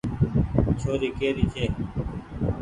ڇوري ڪي ري ڇي۔